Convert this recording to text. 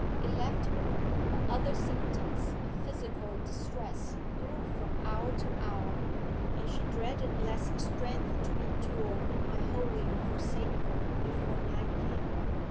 It left her, but other symptoms of physical distress grew from hour to hour, and she dreaded lest strength to endure might wholly forsake her before night came.